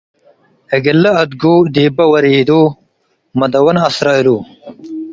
እግለ አድጉ ዲበ ወሪዱ መደወን አስረ እሉ።